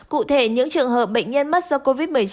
cụ thể những trường hợp bệnh nhân mắc do covid một mươi chín